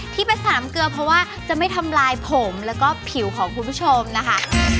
ที่เป็นสามเกลือเพราะว่าจะไม่ทำลายผมแล้วก็ผิวของคุณผู้ชมนะคะ